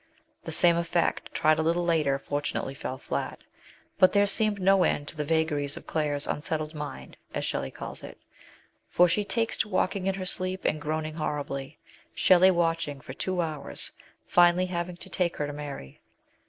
The same effect tried a little later fortunately fell flat ; but there seemed no end to the vagaries of Claire's " unsettled mind," as Shelley calls it, for she takes to walking in her sleep and groaning horribly, Shelley watching for two hours, finally having to take her to Mary.